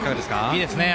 いいですね。